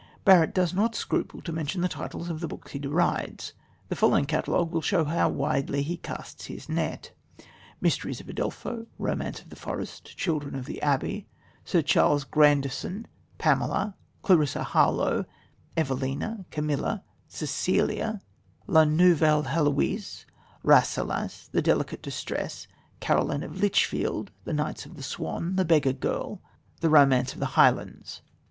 Barrett does not scruple to mention the titles of the books he derides. The following catalogue will show how widely he casts his net: _Mysteries of Udolpho, Romance of the Forest, Children of the Abbey, Sir Charles Grandison, Pamela, Clarissa Harlowe, Evelina, Camilla, Cecilia, La Nouvelle Heloïse, Rasselas, The Delicate Distress, Caroline of Lichfield_, The Knights of the Swan, The Beggar Girl, The Romance of the Highlands.